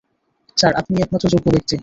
Sir, আপনিই একমাত্র যোগ্য ব্যাক্তি।